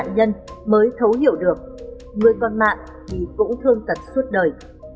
người thân của nạn mới thấu hiểu được người con mạng thì cũng thương thật suốt đời